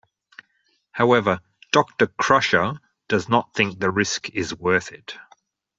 However Doctor Crusher does not think the risk is worth it.